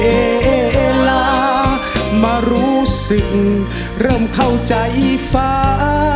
เวลามารู้สึกเริ่มเข้าใจฟ้า